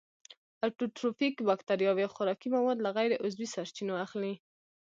اټوټروفیک باکتریاوې خوراکي مواد له غیر عضوي سرچینو اخلي.